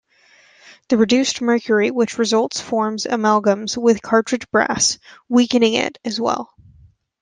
The reduced mercury which results forms amalgams with cartridge brass, weakening it, as well.